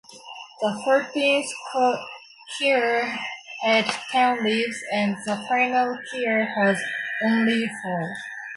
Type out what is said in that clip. The fourteenth quire had ten leaves and the final quire has only four.